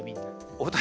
お二人